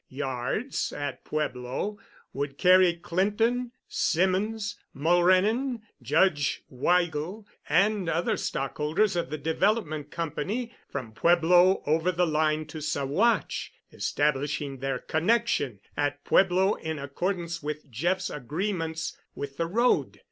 yards at Pueblo would carry Clinton, Symonds, Mulrennan, Judge Weigel, and other stockholders of the Development Company from Pueblo over the line to Saguache, establishing their connection at Pueblo in accordance with Jeff's agreements with the road.